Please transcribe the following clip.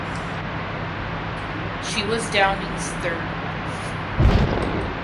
She was Downing’s third wife.